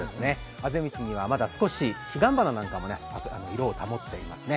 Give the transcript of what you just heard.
あぜ道にはまだ少し彼岸花が色を保っていますね。